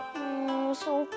そうかあ。